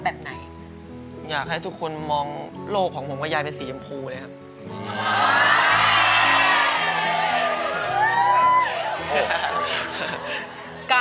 แบบไหนอยากให้ทุกคนมองโลกของผมกับยายเป็นสีชมพูเลยครับ